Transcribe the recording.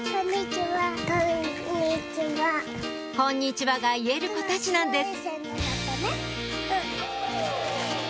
「こんにちは」が言える子たちなんです